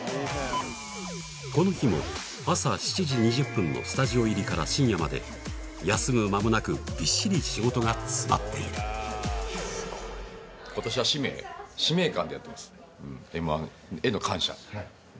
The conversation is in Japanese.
この日も朝７時２０分のスタジオ入りから深夜まで休む間もなくびっしり仕事が詰まっているそして８時３２分